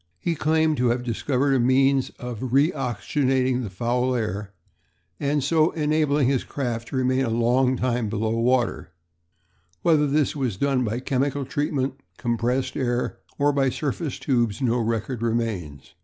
He claims to have discovered a means of re oxygenating the foul air and so enabling his craft to remain a long time below water; whether this was done by chemical treatment, compressed air, or by surface tubes no record remains.